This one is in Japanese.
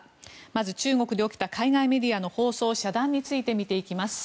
まず中国で起きた海外メディアの放送遮断について見ていきます。